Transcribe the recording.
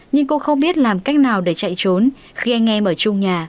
nhưng cô không biết làm cách nào để chạy trốn khi anh em ở trung nhà